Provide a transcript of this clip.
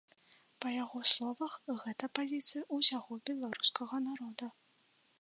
Па яго словах, гэта пазіцыя ўсяго беларускага народа.